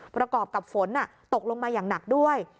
ประกอบกับฝนตกลงมาอย่างหนักด้วย